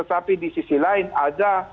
tapi di sisi lain ada